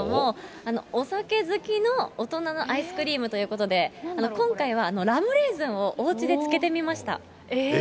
お酒好きの大人のアイスクリームということで、今回はラムレーズンをおうちで漬けてみました。